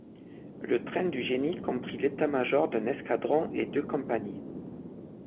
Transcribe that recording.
Le train du génie comprit l'état major d'un escadron et deux compagnies.